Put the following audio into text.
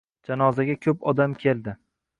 Janozaga ko`p odam keldi